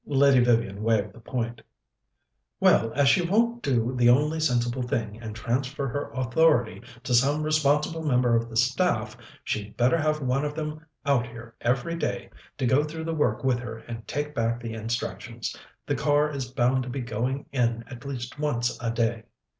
Lady Vivian waived the point. "Well, as she won't do the only sensible thing, and transfer her authority to some responsible member of the staff, she'd better have one of them out here every day to go through the work with her and take back the instructions. The car is bound to be going in at least once a day."